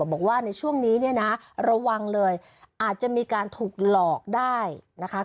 บอกว่าในช่วงนี้เนี่ยนะระวังเลยอาจจะมีการถูกหลอกได้นะคะ